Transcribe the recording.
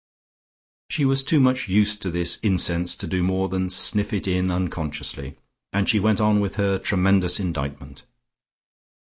She was too much used to this incense to do more than sniff it in unconsciously, and she went on with her tremendous indictment.